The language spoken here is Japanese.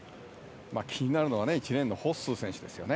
気になるのは１レーンのホッスー選手ですよね。